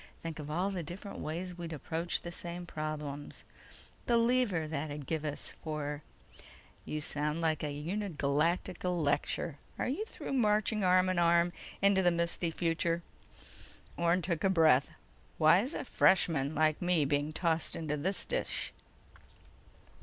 Think of all the different ways we'd approach the same problems ... the lever that'd give us for—" "You sound like a Uni Galacta lecture! Are you through marching arm in arm into the misty future?" Orne took a deep breath. "Why's a freshman like me being tossed into this dish?"